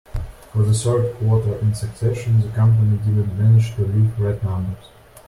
For the third quarter in succession, the company didn't manage to leave red numbers.